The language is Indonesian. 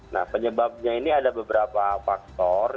nah penyebabnya ini ada beberapa faktor